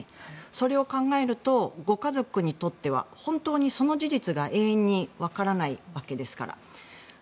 それを考えるとご家族にとってはその事実が永遠にわからないわけですから。